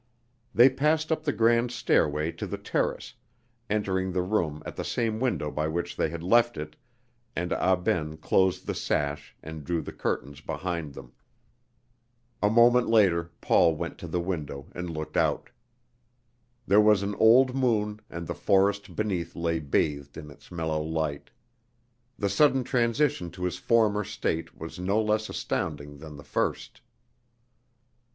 They passed up the grand stairway to the terrace, entering the room at the same window by which they had left it, and Ah Ben closed the sash and drew the curtains behind them. A moment later Paul went to the window and looked out. There was an old moon, and the forest beneath lay bathed in its mellow light. The sudden transition to his former state was no less astounding than the first.